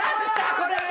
これは。